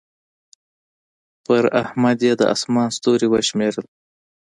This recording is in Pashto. پر احمد يې د اسمان ستوري وشمېرل.